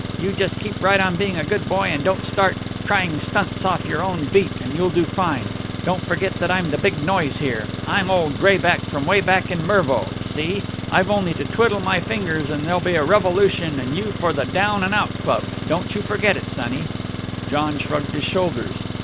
You just keep right on being a good boy, and don't start trying stunts off your own beat, and you'll do fine. Don't forget that I'm the big noise here. I'm old Grayback from 'way back in Mervo. See! I've only to twiddle my fingers and there'll be a revolution and you for the Down and Out Club. Don't you forget it, sonnie." John shrugged his shoulders.